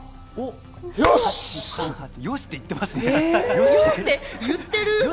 よし！って言っていますね。